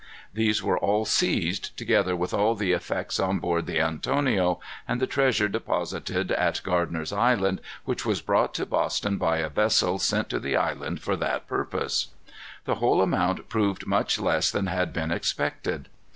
These were all seized, together with all the effects on board the Antonio, and the treasure deposited at Gardiner's Island, which was brought to Boston by a vessel sent to the island for that purpose. The whole amount proved much less than had been expected.